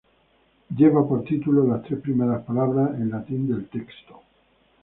Lleva por título las tres primeras palabras en latín del texto.